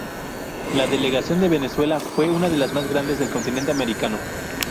La delegación de Venezuela fue una de las más grandes de el continente americano.